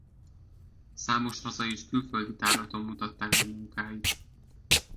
Számos hazai és külföldi tárlaton mutatták be munkáit.